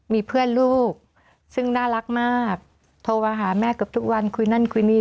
มีเพื่อนลูกซึ่งน่ารักมากโทรมาหาแม่เกือบทุกวันคุยนั่นคุยนี่